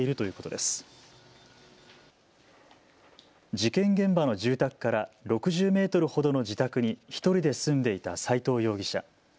事件現場の住宅から６０メートルほどの自宅に１人で住んでいた斎藤容疑者。